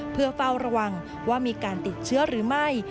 เพื่อเฝ้าระวังว่ามีการติดเชื้อหรือไม่